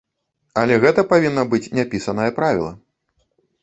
Але гэта павінна быць няпісанае правіла.